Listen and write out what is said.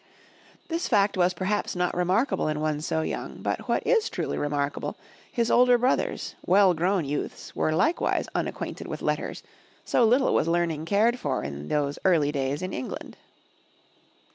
This fact was perhaps not remark able in one so young, but what is truly remarkable, his older brothers, well grown youths, were likewise unacquainted with letters, so little was learning cared for in those early days in England.